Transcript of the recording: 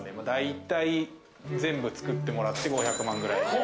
大体全部作ってもらって５００万円くらい。